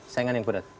saingan yang berat